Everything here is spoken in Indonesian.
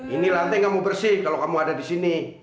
ini lantai kamu bersih kalau kamu ada di sini